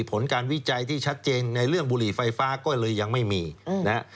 ผลการวิจัยที่ชัดเจนในเรื่องบุหรี่ไฟฟ้าก็เลยยังไม่มีนะฮะ